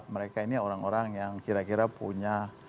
mereka ini orang orang yang kira kira punya